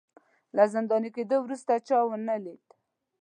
له زنداني کېدو وروسته چا ونه لید